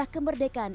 baiklah lihat axel